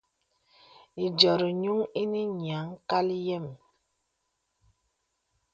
Ediórī gnūŋ inə nīəŋ kal yēm.